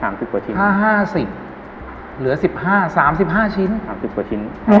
ชิ้นห้าห้าสิบเหลือสิบห้าสามสิบห้าชิ้นสามสิบกว่าชิ้น